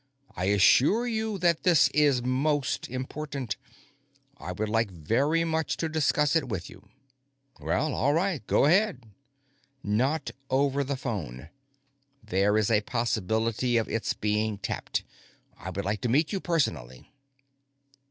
I assure you that this is most important. I would like very much to discuss it with you." "Well, all right. Go ahead." "Not over the phone. There is a possibility of its being tapped. I would like to meet you personally."